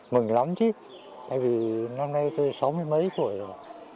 mừng lắm chứ tại vì năm nay tôi sáu mươi mấy tuổi rồi